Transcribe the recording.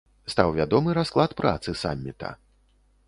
Стаў вядомы расклад працы самміта.